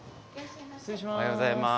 失礼します。